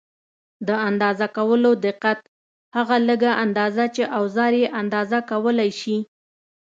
د اندازه کولو دقت: هغه لږه اندازه چې اوزار یې اندازه کولای شي.